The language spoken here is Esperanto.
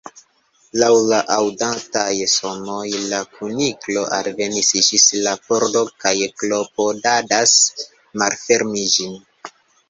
Laŭ la aŭdataj sonoj la Kuniklo alvenis ĝis la pordo, kaj klopodadas malfermi ĝin.